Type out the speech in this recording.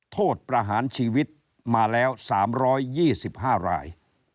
โทษประหารชีวิตมาแล้ว๓๒๕ราย